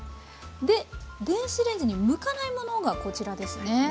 で電子レンジに向かないものがこちらですね。